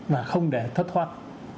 và không để thất hoạt